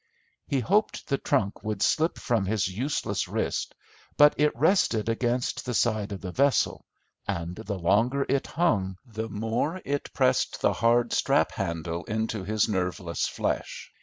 He hoped the trunk would slip from his useless wrist, but it rested against the side of the vessel, and the longer it hung the more it pressed the hard strap handle into his nerveless flesh.